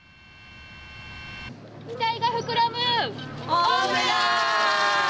期待が膨らむ大村。